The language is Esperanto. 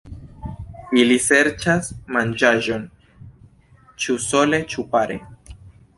Ili serĉas manĝaĵon ĉu sole ĉu pare.